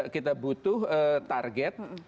kita butuh target